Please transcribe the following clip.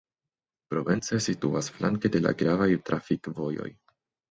Provence situas flanke de la gravaj trafikvojoj.